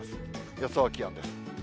予想気温です。